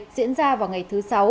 diễn ra vào ngày thứ sáu